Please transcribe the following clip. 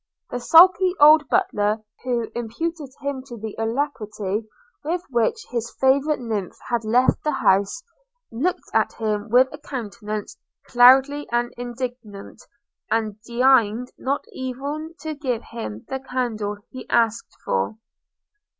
The sulky old butler, who imputed him to the alacrity with which his favourite nymph had left the house, looked at him with a countenance cloudy and indignant, and deigned not even to give him the candle he asked for.